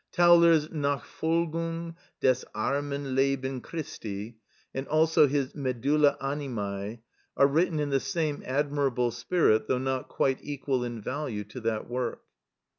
Tauler's "Nachfolgung des armen Leben Christi," and also his "Medulla Animæ," are written in the same admirable spirit, though not quite equal in value to that work.